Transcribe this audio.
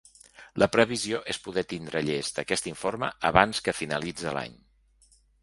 La previsió és poder tindre llest aquest informe abans que finalitze l’any.